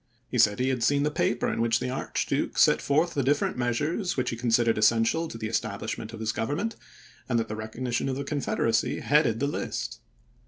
He said he had seen the paper in which the Archduke set forth the different measures which he considered essential to the es tablishment of his Government, and that the recog nition of the Confederacy headed the list.